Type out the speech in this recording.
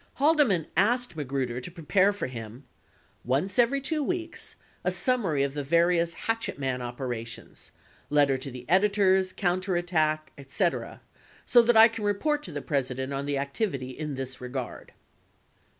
Haldeman asked Magruder to prepare for him :once every 2 weeks, a summary of the various hatchet man operations — letter to the editors, counterattack, etc, so that I can report to the President on the activity in this regard.